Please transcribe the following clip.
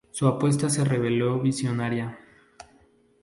Su apuesta se reveló visionaria.